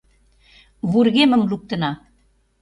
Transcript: Вургемым луктына...